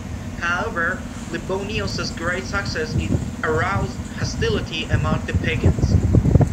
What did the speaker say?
However, Lebuinus's great success aroused hostility among the pagans.